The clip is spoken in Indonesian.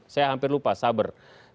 saya hampir lupa saber